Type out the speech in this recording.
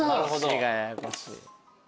「し」がややこしい。